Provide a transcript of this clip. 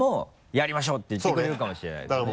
「やりましょう」って言ってくれるかもしれないですね。